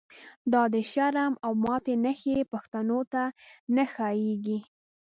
دا د شرم او ماتی نښی، پښتنو ته نه ښا ييږی